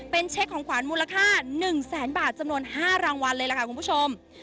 เป็นเช็คของขวานมูลค่า๑แสนบาทจำนวน๕รางวัลเลยล่ะค่ะคุณผู้ชม